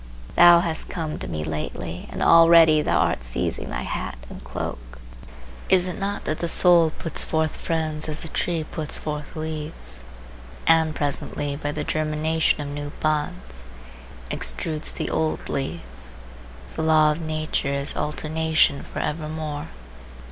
Thou hast come to me lately, and already thou art seizing thy hat and cloak. Is it not that the soul puts forth friends as the tree puts forth leaves, and presently, by the germination of new buds, extrudes the old leaf? The law of nature is alternation for evermore.